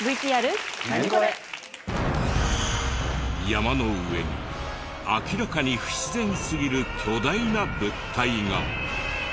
山の上に明らかに不自然すぎる巨大な物体が。